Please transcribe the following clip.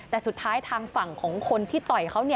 แต่สุดท้ายทางฝั่งของคนที่ต่อยเขา